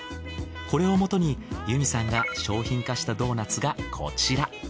これをもとに由実さんが商品化したドーナツがこちら。